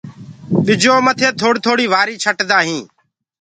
ٻجو مٿي ٿوڙي ٿوڙي وآري ڇٽدآ هين